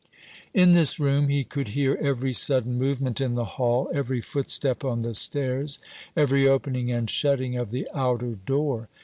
In this room he could hear every sudden movement in the hall, every footstep on the stairs, every opening and shutting of the outer door.